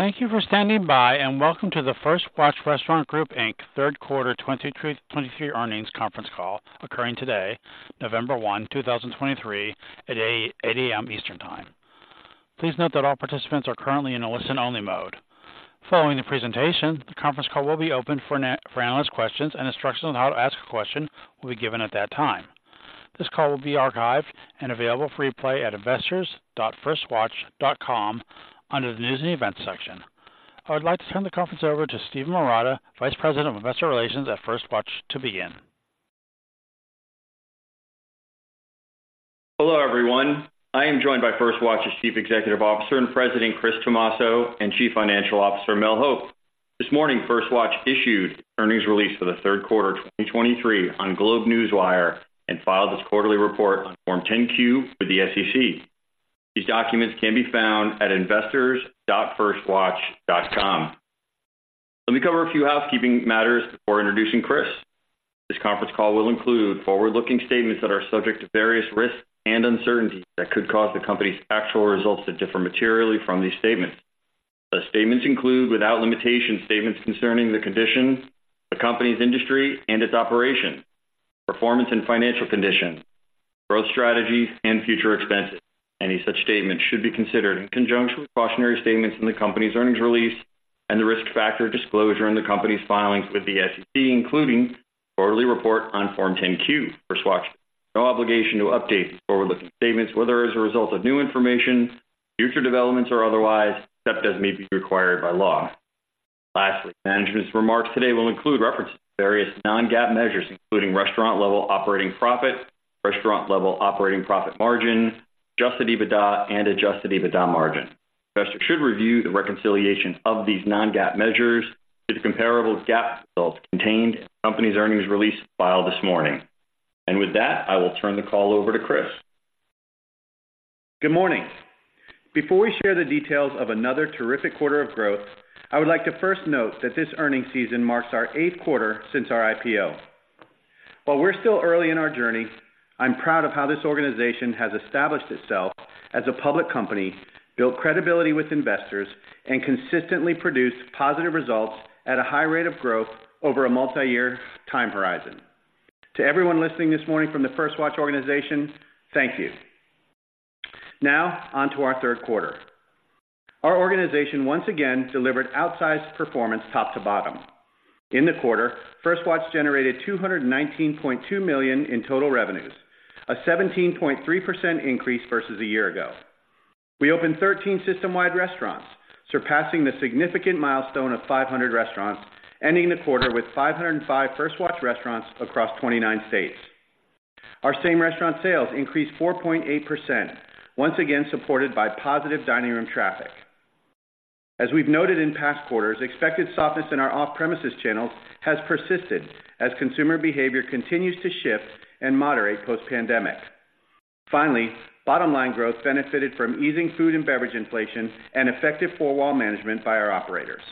Thank you for standing by, and welcome to the First Watch Restaurant Group, Inc. Third Quarter 2023 Earnings Conference Call occurring today, 1 November 2023 at 8:00 A.M. Eastern Time. Please note that all participants are currently in a listen-only mode. Following the presentation, the conference call will be opened for for analyst questions, and instructions on how to ask a question will be given at that time. This call will be archived and available for replay at investors.firstwatch.com under the News and Events section. I would like to turn the conference over to Steve Marotta, Vice President of Investor Relations at First Watch, to begin. Hello, everyone. I am joined by First Watch's Chief Executive Officer and President, Chris Tomasso, and Chief Financial Officer, Mel Hope. This morning, First Watch issued earnings release for the third quarter of 2023 on GlobeNewswire and filed this quarterly report on Form 10-Q with the SEC. These documents can be found at investors.firstwatch.com. Let me cover a few housekeeping matters before introducing Chris. This conference call will include forward-looking statements that are subject to various risks and uncertainties that could cause the company's actual results to differ materially from these statements. The statements include, without limitation, statements concerning the conditions, the company's industry and its operations, performance and financial conditions, growth strategies, and future expenses. Any such statements should be considered in conjunction with cautionary statements in the company's earnings release and the risk factor disclosure in the company's filings with the SEC, including quarterly report on Form 10-Q. First Watch has no obligation to update these forward-looking statements, whether as a result of new information, future developments, or otherwise, except as may be required by law. Lastly, management's remarks today will include references to various non-GAAP measures, including restaurant-level operating profit, restaurant-level operating profit margin, Adjusted EBITDA, and Adjusted EBITDA margin. Investors should review the reconciliations of these non-GAAP measures to the comparable GAAP results contained in the company's earnings release filed this morning. With that, I will turn the call over to Chris. Good morning. Before we share the details of another terrific quarter of growth, I would like to first note that this earnings season marks our eighth quarter since our IPO. While we're still early in our journey, I'm proud of how this organization has established itself as a public company, built credibility with investors, and consistently produced positive results at a high rate of growth over a multi-year time horizon. To everyone listening this morning from the First Watch organization, thank you. Now, on to our third quarter. Our organization once again delivered outsized performance top to bottom. In the quarter, First Watch generated $219.2 million in total revenues, a 17.3% increase versus a year ago. We opened 13 system-wide restaurants, surpassing the significant milestone of 500 restaurants, ending the quarter with 505 First Watch restaurants across 29 states. Our same restaurant sales increased 4.8%, once again supported by positive dining room traffic. As we've noted in past quarters, expected softness in our off-premises channels has persisted as consumer behavior continues to shift and moderate post-pandemic. Finally, bottom-line growth benefited from easing food and beverage inflation and effective four-wall management by our operators.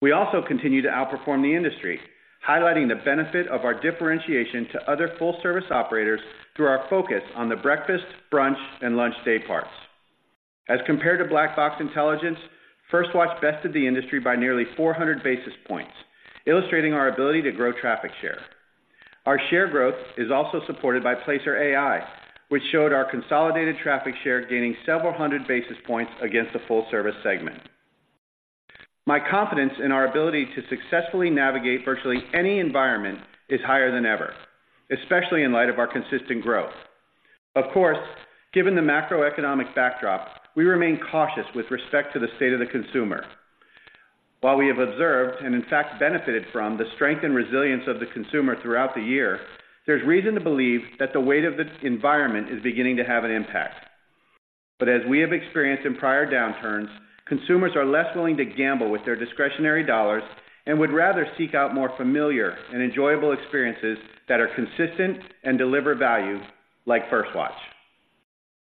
We also continue to outperform the industry, highlighting the benefit of our differentiation to other full-service operators through our focus on the breakfast, brunch, and lunch day parts. As compared to Black Box Intelligence, First Watch bested the industry by nearly 400 basis points, illustrating our ability to grow traffic share. Our share growth is also supported by Placer.ai, which showed our consolidated traffic share gaining several hundred basis points against the full-service segment. My confidence in our ability to successfully navigate virtually any environment is higher than ever, especially in light of our consistent growth. Of course, given the macroeconomic backdrop, we remain cautious with respect to the state of the consumer. While we have observed, and in fact benefited from, the strength and resilience of the consumer throughout the year, there's reason to believe that the weight of the environment is beginning to have an impact. But as we have experienced in prior downturns, consumers are less willing to gamble with their discretionary dollars and would rather seek out more familiar and enjoyable experiences that are consistent and deliver value, like First Watch.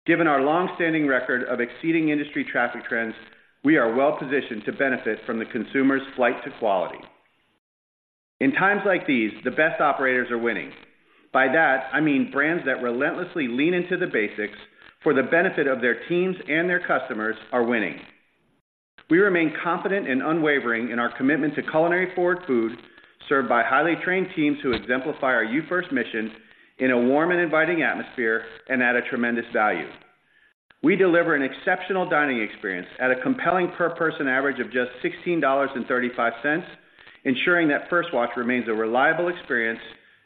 Given our long-standing record of exceeding industry traffic trends, we are well positioned to benefit from the consumer's flight to quality. In times like these, the best operators are winning. By that, I mean brands that relentlessly lean into the basics for the benefit of their teams and their customers are winning. We remain confident and unwavering in our commitment to culinary forward food, served by highly trained teams who exemplify our You First mission in a warm and inviting atmosphere and at a tremendous value. We deliver an exceptional dining experience at a compelling per-person average of just $16.35, ensuring that First Watch remains a reliable experience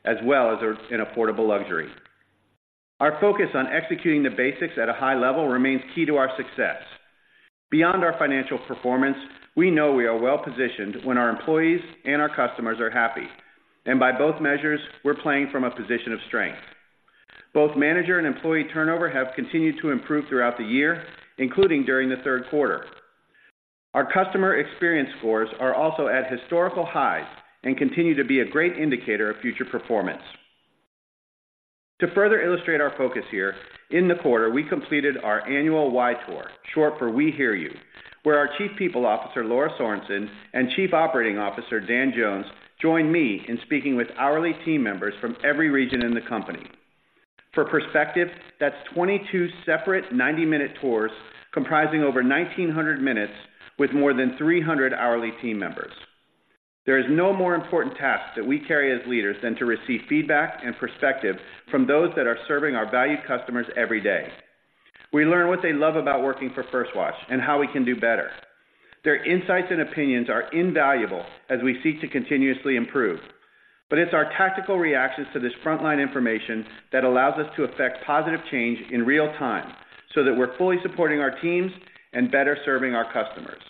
as well as an affordable luxury. Our focus on executing the basics at a high level remains key to our success. Beyond our financial performance, we know we are well positioned when our employees and our customers are happy. By both measures, we're playing from a position of strength. Both manager and employee turnover have continued to improve throughout the year, including during the third quarter. Our customer experience scores are also at historical highs and continue to be a great indicator of future performance. To further illustrate our focus here, in the quarter, we completed our annual WHY Tour, short for We Hear You, where our Chief People Officer, Laura Sorensen, and Chief Operating Officer, Dan Jones, joined me in speaking with hourly team members from every region in the company. For perspective, that's 22 separate 90-minute tours comprising over 1,900 minutes with more than 300 hourly team members. There is no more important task that we carry as leaders than to receive feedback and perspective from those that are serving our valued customers every day. We learn what they love about working for First Watch, and how we can do better. Their insights and opinions are invaluable as we seek to continuously improve, but it's our tactical reactions to this frontline information that allows us to affect positive change in real time, so that we're fully supporting our teams and better serving our customers.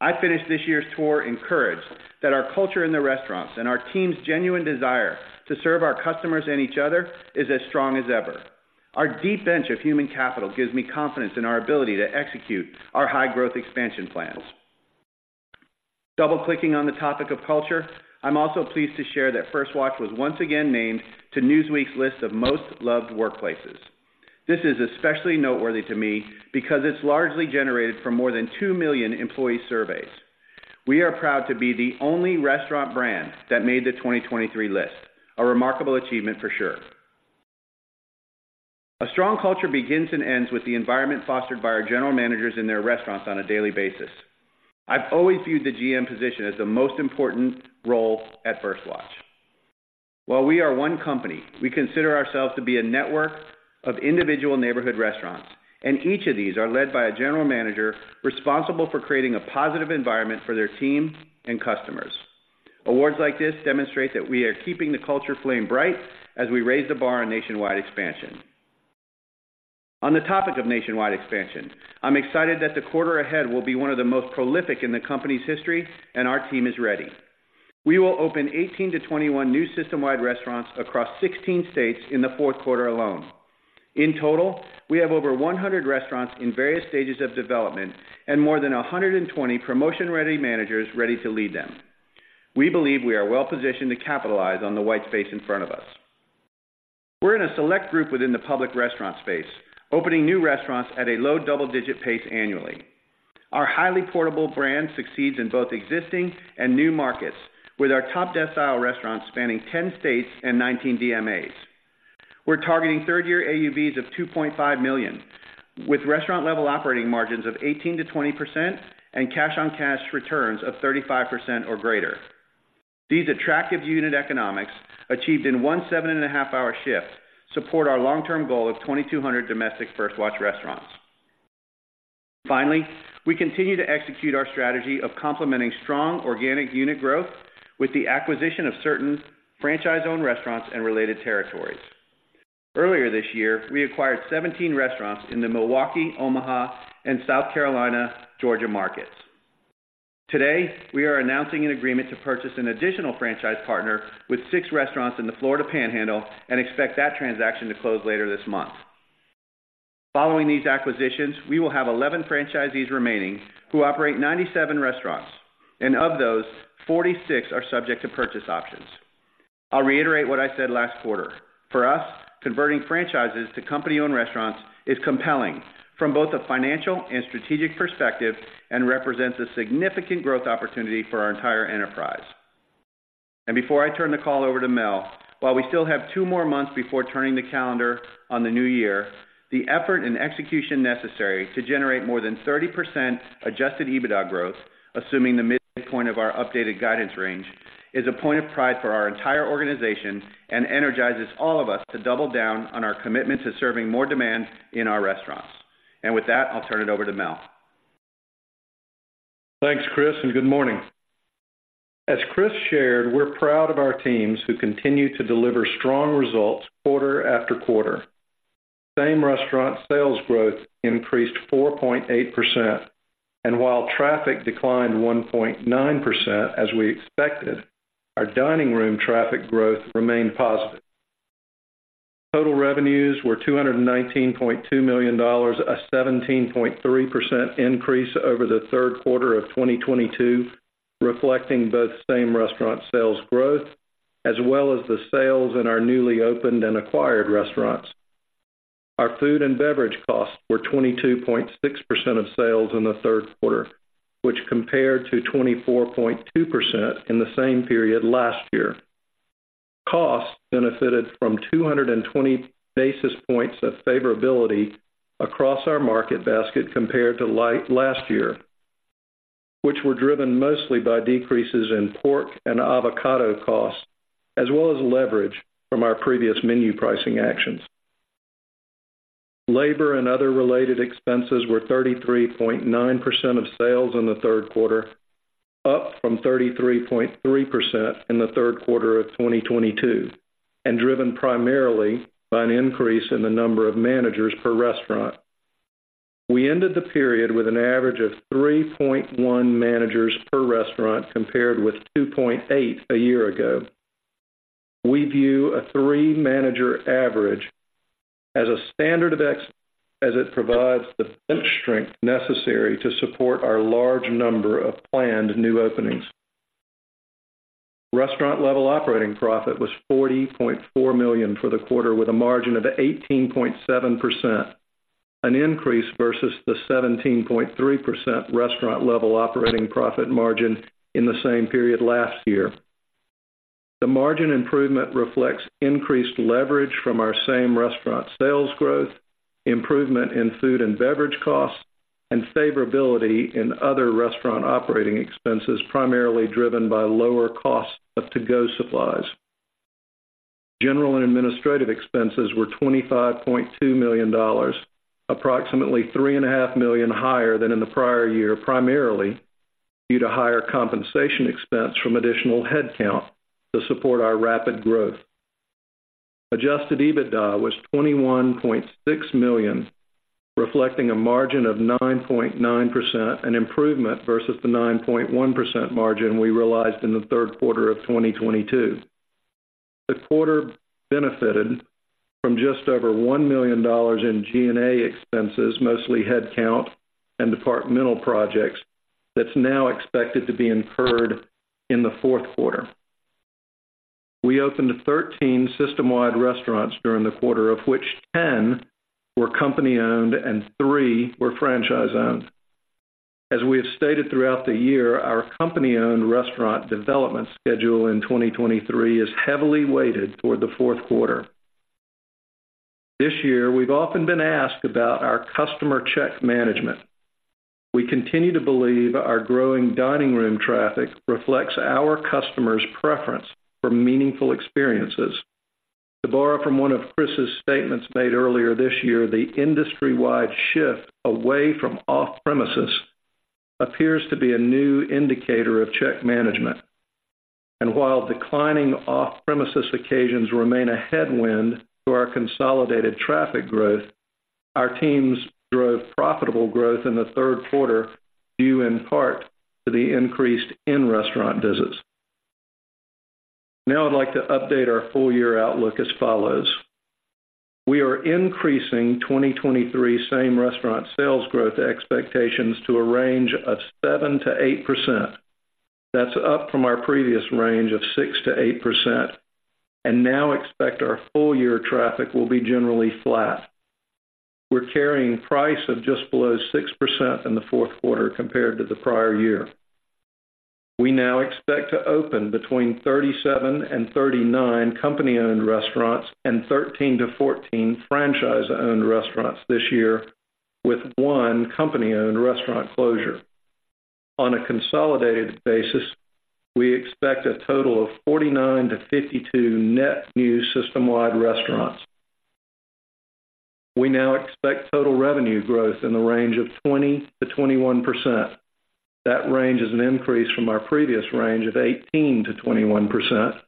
I finished this year's tour encouraged that our culture in the restaurants and our team's genuine desire to serve our customers and each other is as strong as ever. Our deep bench of human capital gives me confidence in our ability to execute our high growth expansion plans. Double-clicking on the topic of culture, I'm also pleased to share that First Watch was once again named to Newsweek's list of Most Loved Workplaces. This is especially noteworthy to me because it's largely generated from more than two million employee surveys. We are proud to be the only restaurant brand that made the 2023 list. A remarkable achievement for sure. A strong culture begins and ends with the environment fostered by our general managers in their restaurants on a daily basis. I've always viewed the GM position as the most important role at First Watch. While we are one company, we consider ourselves to be a network of individual neighborhood restaurants, and each of these are led by a general manager responsible for creating a positive environment for their team and customers. Awards like this demonstrate that we are keeping the culture flame bright as we raise the bar on nationwide expansion. On the topic of nationwide expansion, I'm excited that the quarter ahead will be one of the most prolific in the company's history, and our team is ready. We will open 18-21 new system-wide restaurants across 16 states in the fourth quarter alone. In total, we have over 100 restaurants in various stages of development and more than 120 promotion-ready managers ready to lead them. We believe we are well positioned to capitalize on the white space in front of us. We're in a select group within the public restaurant space, opening new restaurants at a low double-digit pace annually. Our highly portable brand succeeds in both existing and new markets, with our top decile restaurants spanning 10 states and 19 DMAs. We're targeting third-year AUVs of $2.5 million, with restaurant level operating margins of 18%-20% and cash-on-cash returns of 35% or greater. These attractive unit economics, achieved in one 7.5-hour shift, support our long-term goal of 2,200 domestic First Watch restaurants. Finally, we continue to execute our strategy of complementing strong organic unit growth with the acquisition of certain franchise-owned restaurants and related territories. Earlier this year, we acquired 17 restaurants in the Milwaukee, Omaha, and South Carolina, Georgia markets. Today, we are announcing an agreement to purchase an additional franchise partner with 6 restaurants in the Florida Panhandle and expect that transaction to close later this month. Following these acquisitions, we will have 11 franchisees remaining, who operate 97 restaurants, and of those, 46 are subject to purchase options. I'll reiterate what I said last quarter. For us, converting franchises to company-owned restaurants is compelling from both a financial and strategic perspective, and represents a significant growth opportunity for our entire enterprise. And before I turn the call over to Mel, while we still have two more months before turning the calendar on the new year, the effort and execution necessary to generate more than 30% Adjusted EBITDA growth, assuming the midpoint of our updated guidance range, is a point of pride for our entire organization and energizes all of us to double down on our commitment to serving more demand in our restaurants. And with that, I'll turn it over to Mel. Thanks, Chris, and good morning. As Chris shared, we're proud of our teams who continue to deliver strong results quarter after quarter. Same-restaurant sales growth increased 4.8%, and while traffic declined 1.9%, as we expected, our dining room traffic growth remained positive. Total revenues were $219.2 million, a 17.3% increase over the third quarter of 2022, reflecting both same-restaurant sales growth, as well as the sales in our newly opened and acquired restaurants. Our food and beverage costs were 22.6% of sales in the third quarter, which compared to 24.2% in the same period last year. Costs benefited from 220 basis points of favorability across our Market Basket compared to like last year, which were driven mostly by decreases in pork and avocado costs, as well as leverage from our previous menu pricing actions. Labor and other related expenses were 33.9% of sales in the third quarter, up from 33.3% in the third quarter of 2022, and driven primarily by an increase in the number of managers per restaurant. We ended the period with an average of 3.1 managers per restaurant, compared with 2.8 a year ago. We view a three manager average as a standard of excellence as it provides the bench strength necessary to support our large number of planned new openings. Restaurant-Level Operating Profit was $40.4 million for the quarter, with a margin of 18.7% an increase versus the 17.3% Restaurant-Level Operating Profit margin in the same period last year. The margin improvement reflects increased leverage from our same-restaurant sales growth, improvement in food and beverage costs, and favorability in other restaurant operating expenses, primarily driven by lower costs of to-go supplies. General and administrative expenses were $25.2 million, approximately $3.5 million higher than in the prior year, primarily due to higher compensation expense from additional headcount to support our rapid growth. Adjusted EBITDA was $21.6 million, reflecting a margin of 9.9%, an improvement versus the 9.1% margin we realized in the third quarter of 2022. The quarter benefited from just over $1 million in G&A expenses, mostly headcount and departmental projects, that's now expected to be incurred in the fourth quarter. We opened 13 system-wide restaurants during the quarter, of which 10 were company-owned and three were franchise-owned. As we have stated throughout the year, our company-owned restaurant development schedule in 2023 is heavily weighted toward the fourth quarter. This year, we've often been asked about our customer check management. We continue to believe our growing dining room traffic reflects our customers' preference for meaningful experiences. To borrow from one of Chris's statements made earlier this year, the industry-wide shift away from off-premises appears to be a new indicator of check management. And while declining off-premises occasions remain a headwind to our consolidated traffic growth, our teams drove profitable growth in the third quarter, due in part to the increased in-restaurant visits. Now, I'd like to update our full-year outlook as follows: We are increasing 2023 same-restaurant sales growth expectations to a range of 7%-8%. That's up from our previous range of 6%-8%, and now expect our full-year traffic will be generally flat. We're carrying price of just below 6% in the fourth quarter compared to the prior year. We now expect to open between 37 and 39 company-owned restaurants and 13-14 franchise-owned restaurants this year, with 1 company-owned restaurant closure. On a consolidated basis, we expect a total of 49-52 net new system-wide restaurants. We now expect total revenue growth in the range of 20%-21%. That range is an increase from our previous range of 18%-21%,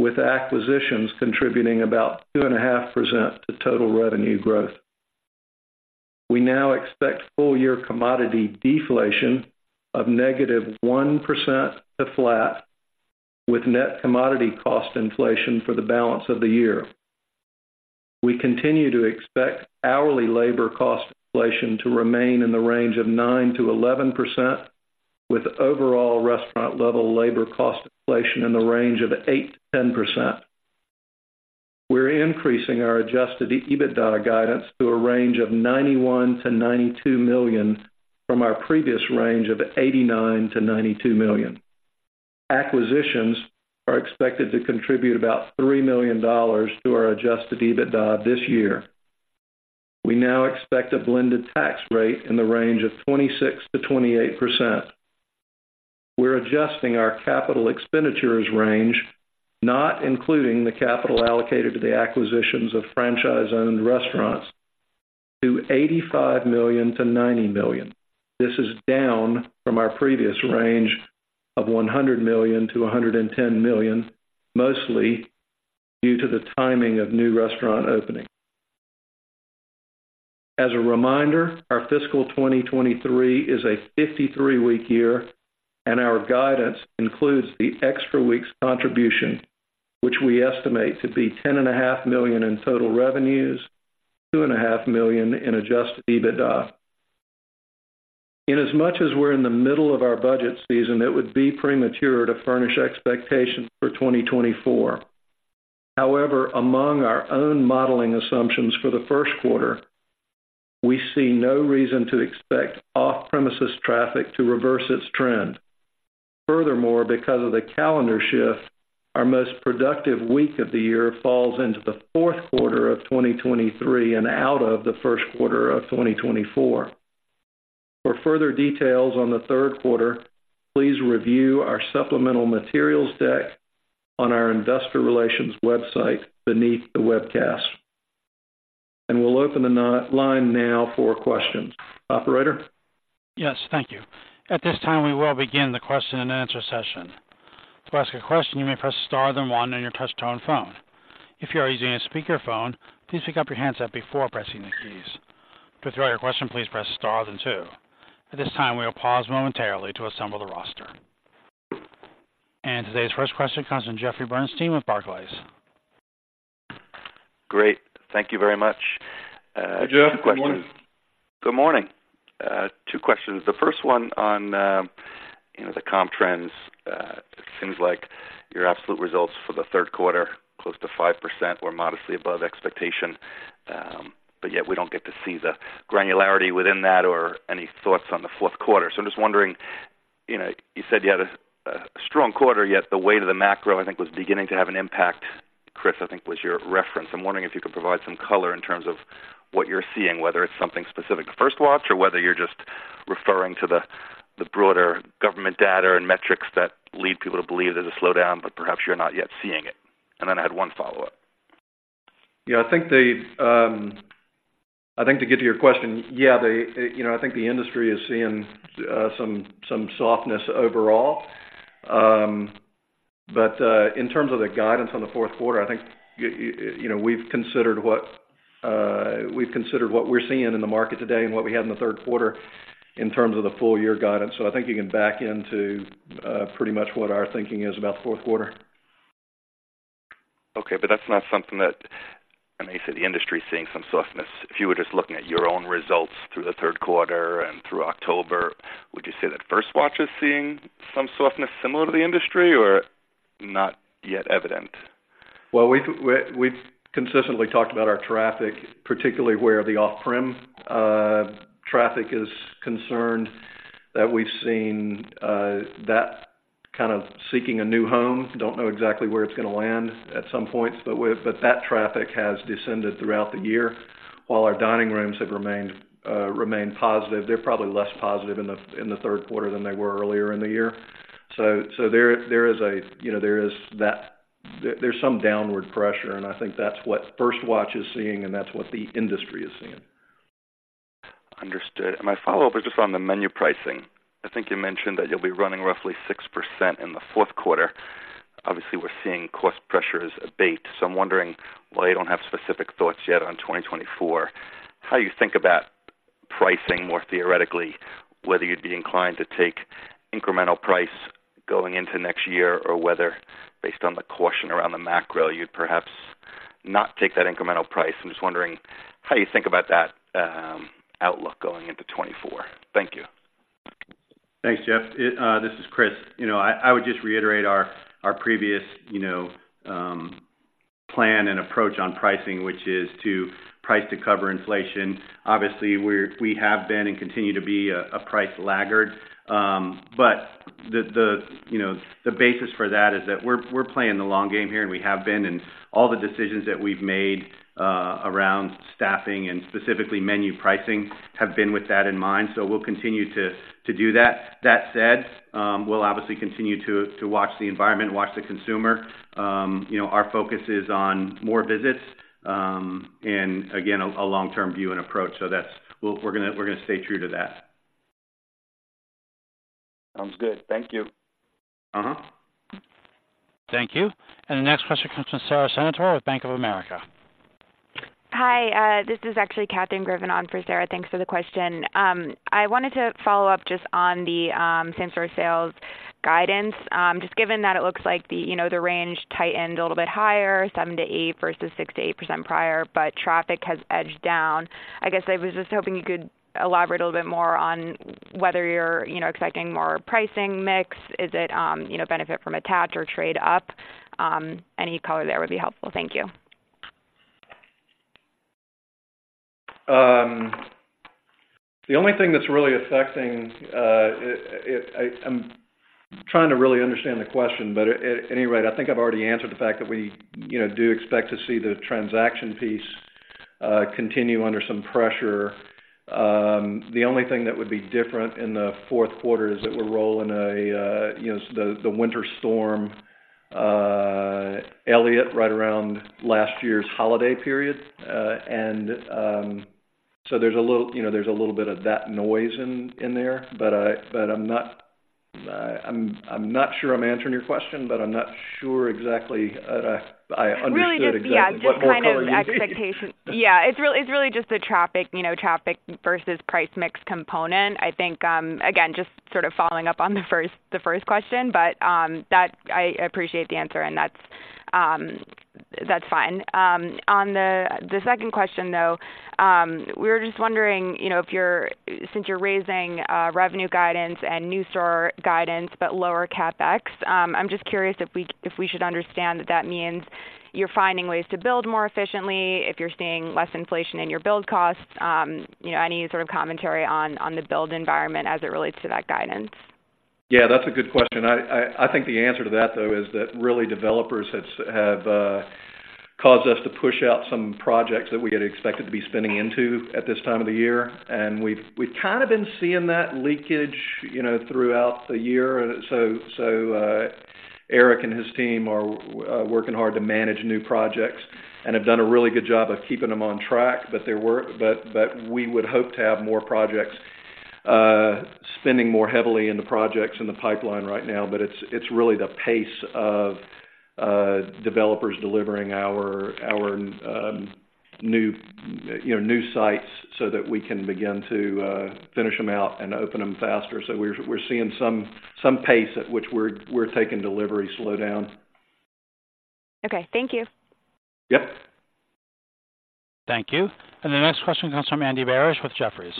with acquisitions contributing about 2.5% to total revenue growth. We now expect full-year commodity deflation of -1% to flat, with net commodity cost inflation for the balance of the year. We continue to expect hourly labor cost inflation to remain in the range of 9%-11%, with overall restaurant-level labor cost inflation in the range of 8%-10%. We're increasing our Adjusted EBITDA guidance to a range of $91 million to $92 million from our previous range of $89 million to $92 million. Acquisitions are expected to contribute about $3 million to our Adjusted EBITDA this year. We now expect a blended tax rate in the range of 26%-28%. We're adjusting our capital expenditures range, not including the capital allocated to the acquisitions of franchise-owned restaurants, to $85 million to $90 million. This is down from our previous range of $100 million to $110 million, mostly due to the timing of new restaurant openings. As a reminder, our fiscal 2023 is a 53-week year, and our guidance includes the extra week's contribution, which we estimate to be $10.5 million in total revenues, $2.5 million in Adjusted EBITDA. In as much as we're in the middle of our budget season, it would be premature to furnish expectations for 2024. However, among our own modeling assumptions for the first quarter, we see no reason to expect off-premises traffic to reverse its trend. Furthermore, because of the calendar shift, our most productive week of the year falls into the fourth quarter of 2023 and out of the first quarter of 2024. For further details on the third quarter, please review our supplemental materials deck on our investor relations website beneath the webcast. We'll open the line now for questions. Operator? Yes, thank you. At this time, we will begin the question-and-answer session. To ask a question, you may press star, then one on your touchtone phone. If you are using a speakerphone, please pick up your handset before pressing the keys. To withdraw your question, please press star, then two. At this time, we will pause momentarily to assemble the roster. Today's first question comes from Jeffrey Bernstein with Barclays. Great. Thank you very much. Hey, Jeff, good morning. Good morning. Two questions. The first one on, you know, the comp trends. Seems like your absolute results for the third quarter, close to 5%, were modestly above expectation. But yet we don't get to see the granularity within that or any thoughts on the fourth quarter. So I'm just wondering, you know, you said you had a strong quarter, yet the weight of the macro, I think, was beginning to have an impact, Chris, I think, was your reference. I'm wondering if you could provide some color in terms of what you're seeing, whether it's something specific to First Watch, or whether you're just referring to the broader government data and metrics that lead people to believe there's a slowdown, but perhaps you're not yet seeing it. And then I had one follow-up. Yeah, I think to get to your question, yeah, you know, I think the industry is seeing some softness overall. But in terms of the guidance on the fourth quarter, I think you know, we've considered what we're seeing in the market today and what we had in the third quarter in terms of the full year guidance. So I think you can back into pretty much what our thinking is about the fourth quarter. Okay, but that's not something that I know you said the industry is seeing some softness. If you were just looking at your own results through the third quarter and through October, would you say that First Watch is seeing some softness similar to the industry or not yet evident? Well, we've consistently talked about our traffic, particularly where the off-prem traffic is concerned, that we've seen that kind of seeking a new home. Don't know exactly where it's going to land at some points, but that traffic has descended throughout the year. While our dining rooms have remained positive, they're probably less positive in the third quarter than they were earlier in the year. So there is, you know, that there's some downward pressure, and I think that's what First Watch is seeing, and that's what the industry is seeing. Understood. My follow-up is just on the menu pricing. I think you mentioned that you'll be running roughly 6% in the fourth quarter. Obviously, we're seeing cost pressures abate. I'm wondering why you don't have specific thoughts yet on 2024. How you think about pricing more theoretically, whether you'd be inclined to take incremental price going into next year, or whether, based on the caution around the macro, you'd perhaps not take that incremental price. I'm just wondering how you think about that, outlook going into 2024. Thank you. Thanks, Jeff. This is Chris. You know, I would just reiterate our previous, you know, plan and approach on pricing, which is to price to cover inflation. Obviously, we're we have been and continue to be a price laggard. But the, you know, the basis for that is that we're playing the long game here, and we have been, and all the decisions that we've made around staffing and specifically menu pricing, have been with that in mind. So we'll continue to do that. That said, we'll obviously continue to watch the environment, watch the consumer. You know, our focus is on more visits, and again, a long-term view and approach. So that's... We'll, we're gonna stay true to that. Sounds good. Thank you. Thank you. The next question comes from Sara Senatore with Bank of America. Hi, this is actually Katherine Griffin on for Sarah. Thanks for the question. I wanted to follow up just on the, same-store sales guidance. Just given that it looks like the, you know, the range tightened a little bit higher, 7%-8% versus 6%-8% prior, but traffic has edged down. I guess I was just hoping you could elaborate a little bit more on whether you're, you know, expecting more pricing mix. Is it, you know, benefit from attach or trade up? Any color there would be helpful. Thank you. The only thing that's really affecting it. I'm trying to really understand the question, but at any rate, I think I've already answered the fact that we, you know, do expect to see the transaction piece continue under some pressure. The only thing that would be different in the fourth quarter is that we're rolling around the Winter Storm Elliott right around last year's holiday period. So there's a little bit of that noise in there, but I'm not sure I'm answering your question, but I'm not sure exactly what more color you need. Really just, yeah, just kind of expectation. Yeah, it's really, it's really just the traffic, you know, traffic versus price mix component. I think, again, just sort of following up on the first, the first question, but, that I appreciate the answer, and that's, that's fine. On the, the second question, though, we were just wondering, you know, if you're since you're raising, revenue guidance and new store guidance, but lower CapEx, I'm just curious if we, if we should understand that that means you're finding ways to build more efficiently, if you're seeing less inflation in your build costs, you know, any sort of commentary on, on the build environment as it relates to that guidance? Yeah, that's a good question. I think the answer to that, though, is that really, developers have caused us to push out some projects that we had expected to be spinning into at this time of the year, and we've kind of been seeing that leakage, you know, throughout the year. So, Eric and his team are working hard to manage new projects and have done a really good job of keeping them on track. But they were, but we would hope to have more projects spending more heavily in the projects in the pipeline right now. But it's really the pace of developers delivering our new sites so that we can begin to finish them out and open them faster. So we're seeing some pace at which we're taking delivery slow down. Okay. Thank you. Yep. Thank you. And the next question comes from Andy Barish with Jefferies.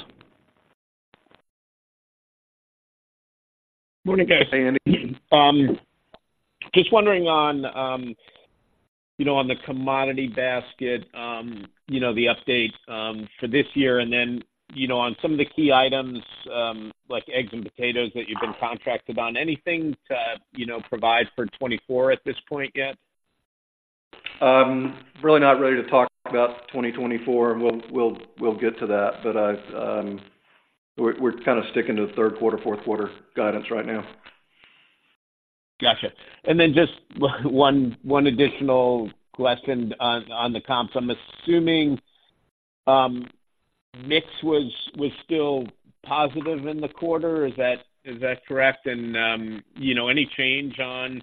Good morning, guys. Hi, Andy. Just wondering on, you know, on the commodity basket, you know, the update for this year, and then, you know, on some of the key items, like eggs and potatoes that you've been contracted on, anything to, you know, provide for 2024 at this point yet? Really not ready to talk about 2024. We'll get to that. But we're kind of sticking to the third quarter, fourth quarter guidance right now. Gotcha. And then just one additional question on the comps. I'm assuming mix was still positive in the quarter. Is that correct? And you know, any change on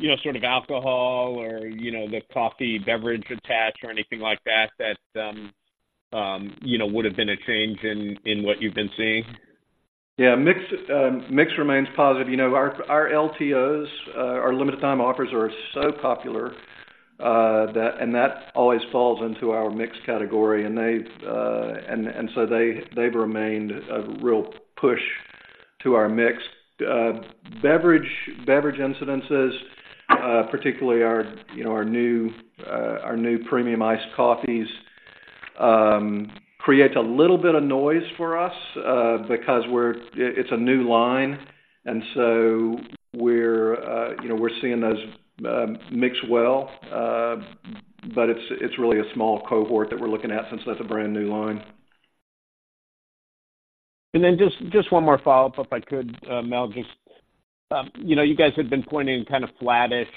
you know, sort of alcohol or you know, the coffee beverage attach or anything like that that you know, would have been a change in what you've been seeing? Yeah. Mix remains positive. You know, our LTOs, our limited time offers are so popular that that always falls into our mix category, and they've remained a real push to our mix. Beverage incidences, particularly our, you know, our new premium iced coffees, create a little bit of noise for us because it's a new line, and so we're, you know, we're seeing those mix well. But it's really a small cohort that we're looking at since that's a brand-new line. Then just, just one more follow-up, if I could, Mel, just, you know, you guys had been pointing kind of flattish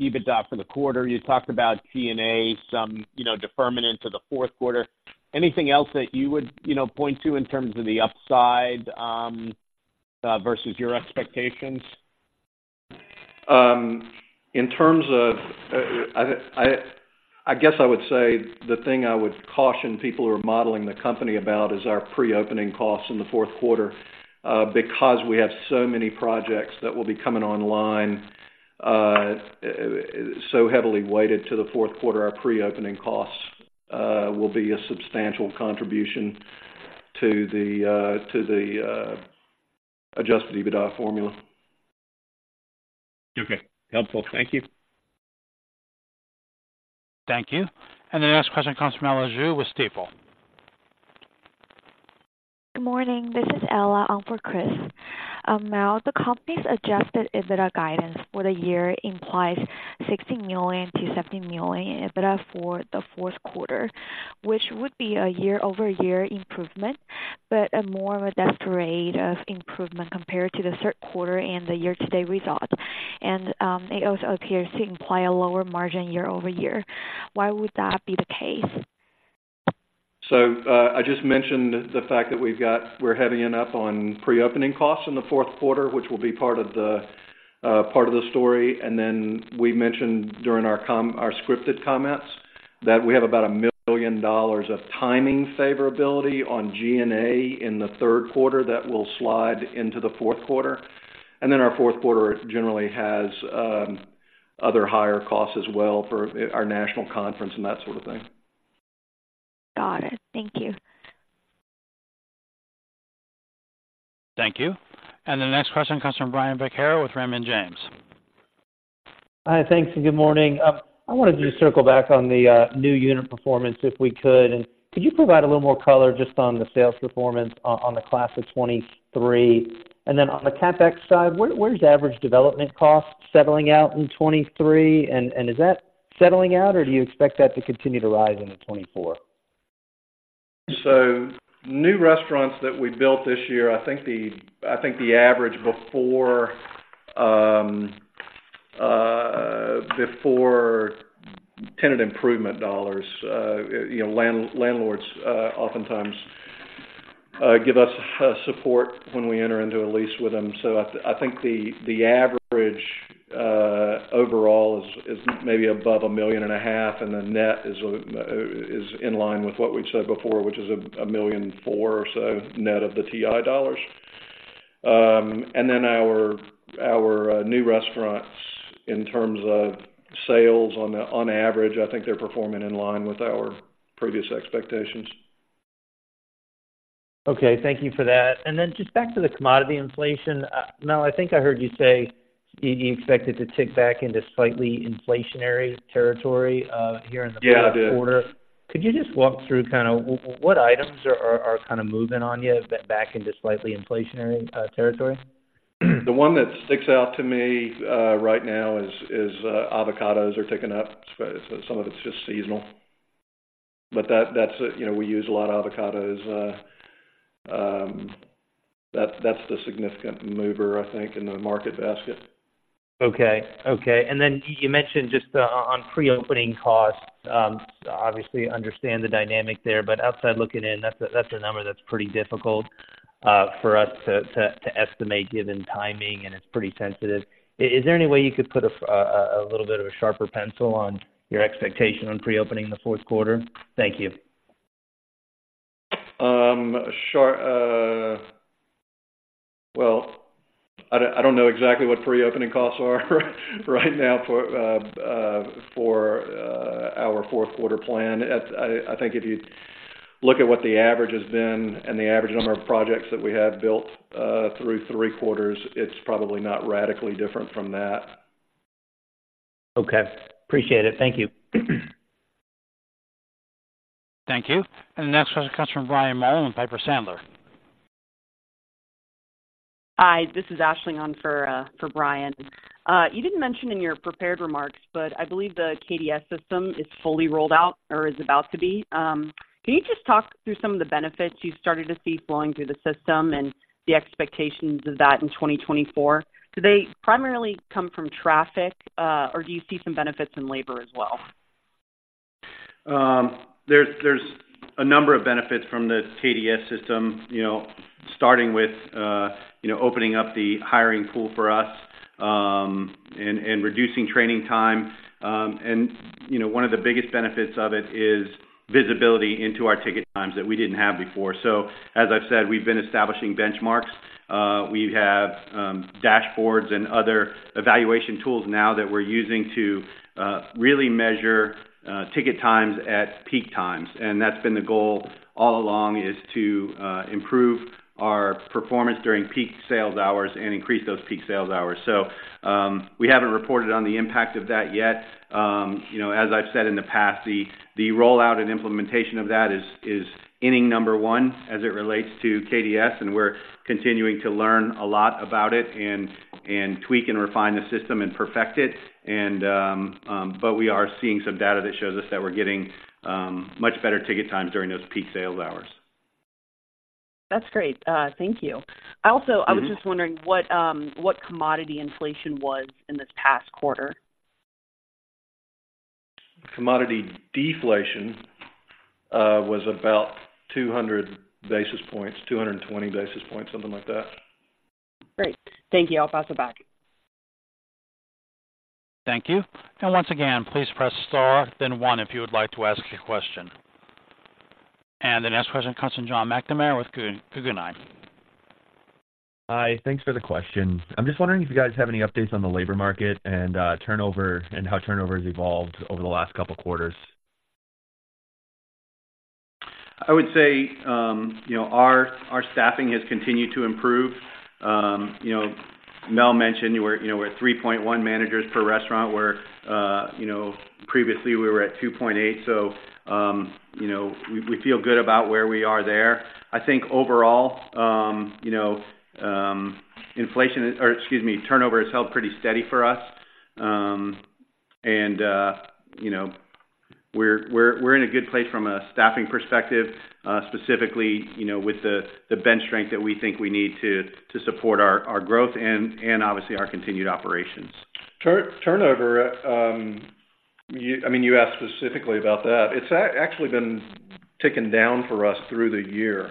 EBITDA for the quarter. You talked about G&A, some, you know, deferment into the fourth quarter. Anything else that you would, you know, point to in terms of the upside versus your expectations? In terms of, I guess I would say the thing I would caution people who are modeling the company about is our Pre-Opening Costs in the fourth quarter. Because we have so many projects that will be coming online, so heavily weighted to the fourth quarter, our Pre-Opening Costs will be a substantial contribution to the Adjusted EBITDA formula. Okay. Helpful. Thank you. Thank you. The next question comes from Ella Zhou with Stifel. Good morning. This is Ella on for Chris. Mel, the company's Adjusted EBITDA guidance for the year implies $60 million to $70 million in EBITDA for the fourth quarter, which would be a year-over-year improvement, but a more modest degree of improvement compared to the third quarter and the year-to-date results. It also appears to imply a lower margin year-over-year. Why would that be the case? So, I just mentioned the fact that we're heavy enough on Pre-Opening Costs in the fourth quarter, which will be part of the part of the story. And then we mentioned during our scripted comments, that we have about $1 million of timing favorability on G&A in the third quarter that will slide into the fourth quarter. And then our fourth quarter generally has other higher costs as well for our national conference and that sort of thing. Got it. Thank you. Thank you. The next question comes from Brian Vaccaro with Raymond James. Hi. Thanks, and good morning. I wanted to circle back on the new unit performance, if we could. Could you provide a little more color just on the sales performance on the class of 2023? And then on the CapEx side, where's the average development cost settling out in 2023? And is that settling out, or do you expect that to continue to rise into 2024? So new restaurants that we built this year, I think the average before tenant improvement dollars, you know, landlords oftentimes give us support when we enter into a lease with them. So I think the average overall is maybe above $1.5 million, and the net is in line with what we've said before, which is $1.4 million or so, net of the TI dollars. And then our new restaurants, in terms of sales on average, I think they're performing in line with our previous expectations. Okay, thank you for that. Just back to the commodity inflation. Mel, I think I heard you say you expect it to tick back into slightly inflationary territory here in the Yeah, I did. fourth quarter. Could you just walk through kind of what items are kind of moving on you back into slightly inflationary territory? The one that sticks out to me right now is avocados are ticking up. Some of it's just seasonal, but that's it. You know, we use a lot of avocados. That's the significant mover, I think, in the Market Basket. Okay. And then you mentioned just on pre-opening costs, obviously understand the dynamic there, but outside looking in, that's a number that's pretty difficult for us to estimate given timing, and it's pretty sensitive. Is there any way you could put a little bit of a sharper pencil on your expectation on pre-opening in the fourth quarter? Thank you. Short, well, I don't know exactly what Pre-Opening Costs are right now for our fourth quarter plan. I think if you look at what the average has been and the average number of projects that we have built through three quarters, it's probably not radically different from that. Okay, appreciate it. Thank you. Thank you. The next question comes from Brian Mullan and Piper Sandler. Hi, this is Ashley on for for Brian. You didn't mention in your prepared remarks, but I believe the KDS system is fully rolled out or is about to be. Can you just talk through some of the benefits you've started to see flowing through the system and the expectations of that in 2024? Do they primarily come from traffic, or do you see some benefits in labor as well? There's a number of benefits from the KDS system, you know, starting with, you know, opening up the hiring pool for us, and reducing training time. And, you know, one of the biggest benefits of it is visibility into our ticket times that we didn't have before. So as I've said, we've been establishing benchmarks. We have dashboards and other evaluation tools now that we're using to really measure ticket times at peak times. And that's been the goal all along, is to improve our performance during peak sales hours and increase those peak sales hours. So, we haven't reported on the impact of that yet. You know, as I've said in the past, the rollout and implementation of that is inning number one as it relates to KDS, and we're continuing to learn a lot about it and tweak and refine the system and perfect it. But we are seeing some data that shows us that we're getting much better ticket times during those peak sales hours. That's great. Thank you. I was just wondering what commodity inflation was in this past quarter. Commodity deflation was about 200 basis points, 220 basis points, something like that. Great. Thank you. I'll pass it back. Thank you. Once again, please press star, then one if you would like to ask a question. The next question comes from John McNamara with Guggenheim. Hi, thanks for the questions. I'm just wondering if you guys have any updates on the labor market and turnover, and how turnover has evolved over the last couple of quarters? I would say, you know, our, our staffing has continued to improve. You know, Mel mentioned we're, you know, we're at 3.1 managers per restaurant, where, you know, previously we were at 2.8. So, you know, we, we feel good about where we are there. I think overall, you know, inflation or, excuse me, turnover has held pretty steady for us. And, you know, we're, we're, we're in a good place from a staffing perspective, specifically, you know, with the, the bench strength that we think we need to, to support our, our growth and, and obviously, our continued operations. Turnover, I mean, you asked specifically about that. It's actually been ticking down for us through the year.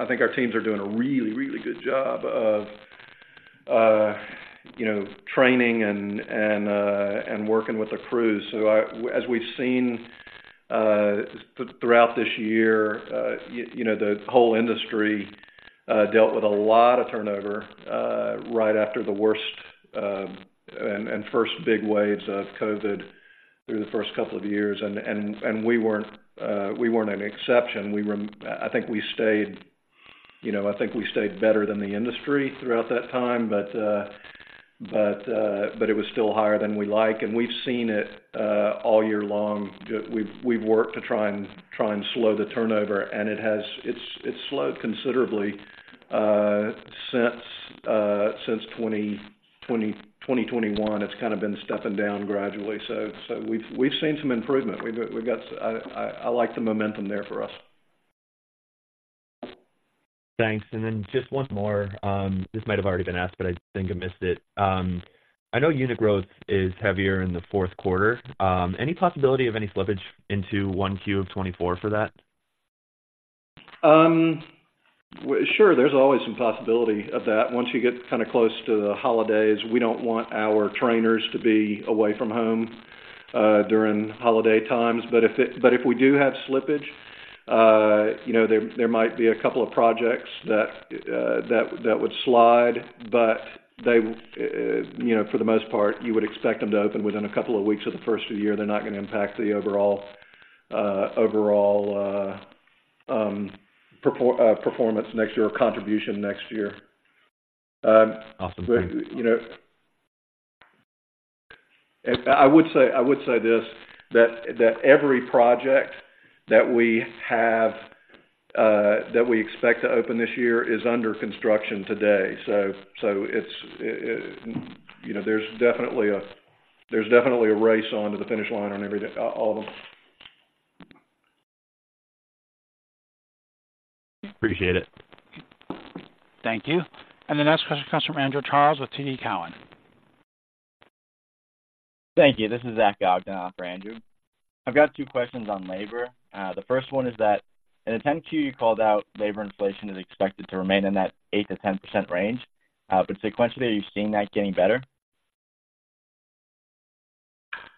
I think our teams are doing a really, really good job of, you know, training and, and working with the crews. So as we've seen, throughout this year, you know, the whole industry dealt with a lot of turnover, right after the worst, and first big waves of COVID through the first couple of years. And we weren't an exception. We were I think we stayed, you know, I think we stayed better than the industry throughout that time, but, but, but it was still higher than we like, and we've seen it all year long. We've worked to try and slow the turnover, and it has. It's slowed considerably since 2021. It's kind of been stepping down gradually. So we've seen some improvement. We've got. I like the momentum there for us. Thanks. And then just one more. This might have already been asked, but I think I missed it. I know unit growth is heavier in the fourth quarter. Any possibility of any slippage into 1Q of 2024 for that? Sure, there's always some possibility of that. Once you get kind of close to the holidays, we don't want our trainers to be away from home during holiday times. But if we do have slippage, you know, there might be a couple of projects that would slide, but they, you know, for the most part, you would expect them to open within a couple of weeks of the first of the year. They're not going to impact the overall performance next year or contribution next year. Awesome. You know I would say, I would say this, that, that every project that we have that we expect to open this year is under construction today. So, so it's, you know, there's definitely a race on to the finish line on every day, all of them. Appreciate it. Thank you. The next question comes from Andrew Charles with TD Cowen. Thank you. This is Zach Ogden for Andrew. I've got two questions on labor. The first one is that in 10-Q, you called out labor inflation is expected to remain in that 8%-10% range. But sequentially, are you seeing that getting better?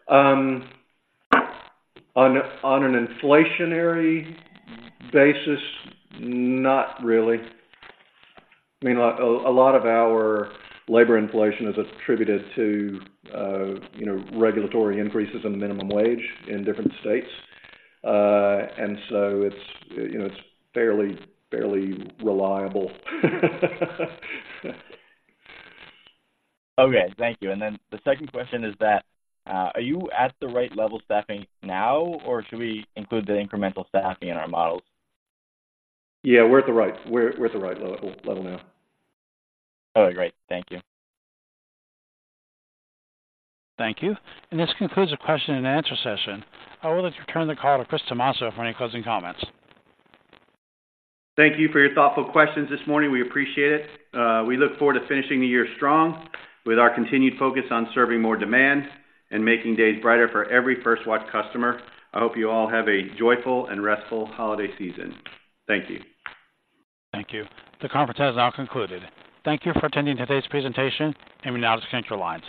On an inflationary basis, not really. I mean, like, a lot of our labor inflation is attributed to, you know, regulatory increases in the minimum wage in different states. And so it's, you know, it's fairly, fairly reliable. Okay, thank you. And then the second question is that, are you at the right level of staffing now, or should we include the incremental staffing in our models? Yeah, we're at the right level now. All right, great. Thank you. Thank you. This concludes the question-and-answer session. I will let you turn the call to Chris Tomasso for any closing comments. Thank you for your thoughtful questions this morning. We appreciate it. We look forward to finishing the year strong with our continued focus on serving more demand and making days brighter for every First Watch customer. I hope you all have a joyful and restful holiday season. Thank you. Thank you. The conference has now concluded. Thank you for attending today's presentation, and you may now disconnect your lines.